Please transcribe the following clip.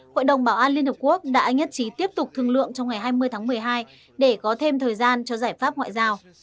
hội đồng bảo an liên hợp quốc đã nhất trí tiếp tục thương lượng trong ngày hai mươi tháng một mươi hai để có thêm thời gian cho giải pháp ngoại giao